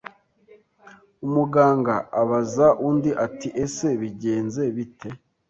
umuganga abaza undi ati ese bigenze bite?